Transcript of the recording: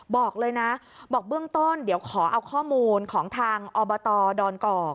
บอกเลยนะบอกเบื้องต้นเดี๋ยวขอเอาข้อมูลของทางอบตดอนกอก